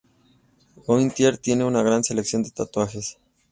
Gontier tiene una gran selección de tatuajes.